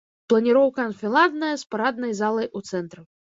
Планіроўка анфіладная з параднай залай у цэнтры.